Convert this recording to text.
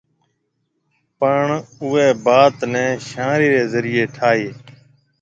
پڻ او اوئي بات نيَ شاعري ري ذريعي ٺائيَ